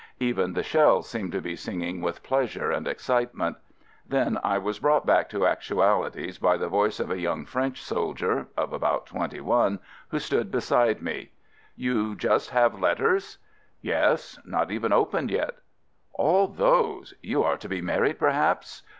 Even the shells seemed to be sing ing with pleasure and excitement. Then I was brought back to actualities by the voice of a young French soldier — of about twenty one — who stood beside me: — "You just have letters?" "Yes — not even opened yet." "All those! You are to be married, per haps?"